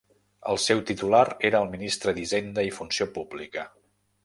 El seu titular era el ministre d'Hisenda i Funció Pública.